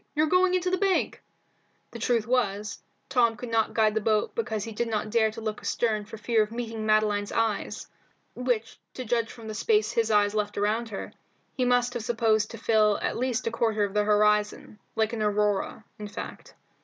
You're going into the bank!" The truth was, that Tom could not guide the boat because he did not dare to look astern for fear of meeting Madeline's eyes, which, to judge from the space his eyes left around her, he must have supposed to fill at least a quarter of the horizon, like an aurora, in fact.